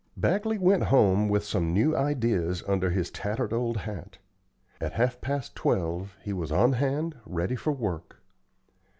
Bagley went home with some new ideas under his tattered old hat. At half past twelve he was on hand, ready for work.